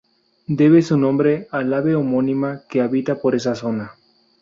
Debe su nombre al ave homónima que habita por esa zona.